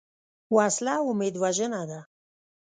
وسله امید وژنه ده